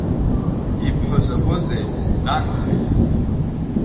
Ибҳәо закәызеи, нанхеит!